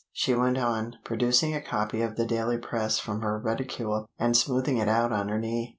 she went on, producing a copy of the Daily Press from her reticule and smoothing it out on her knee.